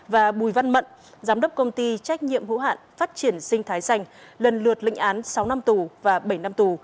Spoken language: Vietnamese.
và bùi văn mận giám đốc công ty trách nhiệm hữu hạn phát triển sinh thái xanh lần lượt lịnh án sáu năm tù và bảy năm tù